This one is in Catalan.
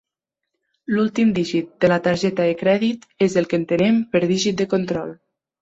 L'últim dígit de la targeta de crèdit és el que entenem per dígit de control.